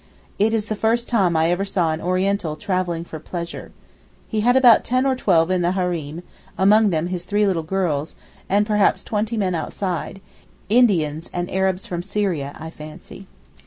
It is the first time I ever saw an Oriental travelling for pleasure. He had about ten or twelve in the hareem, among them his three little girls, and perhaps twenty men outside, Indians, and Arabs from Syria, I fancy.